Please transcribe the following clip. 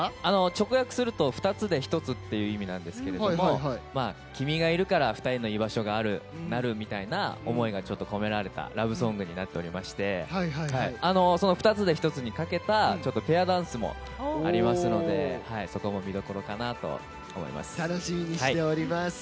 直訳すると二つで一つっていう意味なんですが君がいるから２人の居場所があるみたいな思いが込められたラブソングになっておりまして２つで１つにかけたペアダンスもありますので楽しみにしております。